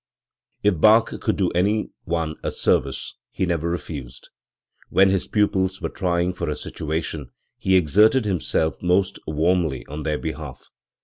If Bach could do any one a service, he never refused. When his pupils were trying for a situation, he exerted himself most warmly on their behalf.